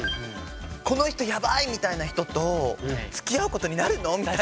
この人ヤバい！みたいな人とつきあうことになるの？みたいな。